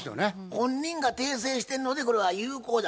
本人が訂正してるのでこれは有効だ。